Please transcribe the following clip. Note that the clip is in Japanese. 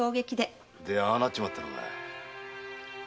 でああなっちまったのかい？